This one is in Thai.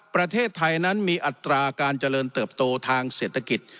ประเทศไทยนั้นมีอัตราการเจริญเติบโตทางเศรษฐกิจ